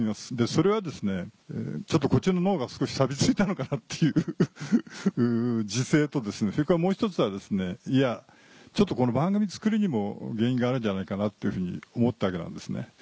それはちょっとこちらの脳が少しさび付いたのかなっていう自省とそれからもう１つはちょっとこの番組作りにも原因があるんじゃないかなっていうふうに思ったわけなんですね。